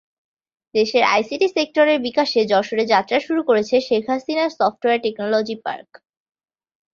দেশের আইসিটি সেক্টরের বিকাশে যশোরে যাত্রা শুরু করেছে Sheikh Hasina software technology park.